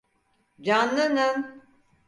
Canlanın!